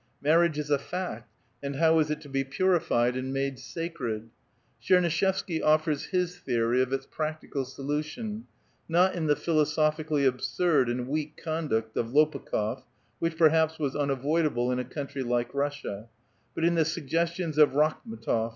Marriage is a fact, and how is it to be purified and made sacred? Tchernuishevsky offers his theory of its practical solution, not in the philosophically absui*d and weak conduct of Lopukh6f , which, perhaps, was unavoidable in a country like Russia, but in the suggestions of Rakhm^tof